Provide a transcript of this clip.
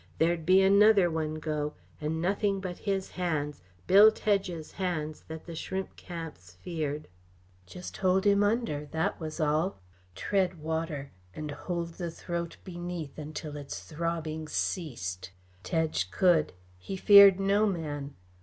There'd be another one go and nothing but his hands Bill Tedge's hands that the shrimp camps feared. Just hold him under that was all. Tread water, and hold the throat beneath until its throbbing ceased. Tedge could; he feared no man.